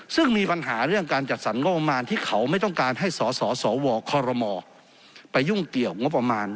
ซึ่งมีปัญหาเรื่องการจัดสรรงบประมาณที่เขาไม่ต้องการให้สสวครมไปยุ่งเกี่ยวงบประมาณ